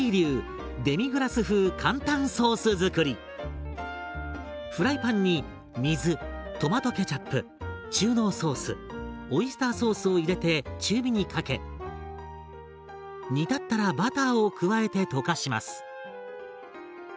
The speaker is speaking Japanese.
続いてフライパンに水トマトケチャップ中濃ソースオイスターソースを入れて中火にかけ煮立ったらバターを加えて溶かします。